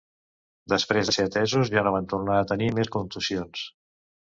Després de ser atesos ja no van tornar a tenir més contusions.